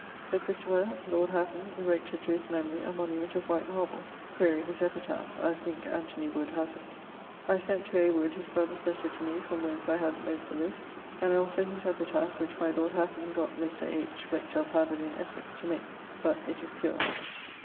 Sir Christopher, lord Hatton, erected to his memorie a monument of white marble quaere his epitaph; I thinke A W haz it. I sent to A. Wood his brother's letter to me from whence I had most of this, and also his epitaph which my lord Hatton gott Mr. H. rector of Hadham in Essex to make, but it is puerile.